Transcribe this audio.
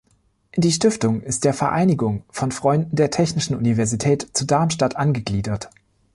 Die Stiftung ist der Vereinigung von Freunden der Technischen Universität zu Darmstadt angegliedert.